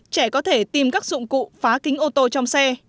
trẻ có thể tìm các dụng cụ phá kính ô tô trong xe